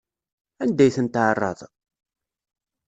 Anda ay tent-tɛerraḍ?